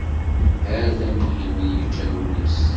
Ha-t-an ihi win yeččan ul-is!